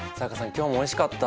今日もおいしかった！